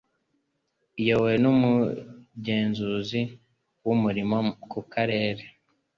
iyobowe n Umugenzuzi w umurimo ku Karere